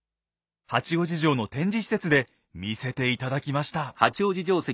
八王子城の展示施設で見せて頂きました。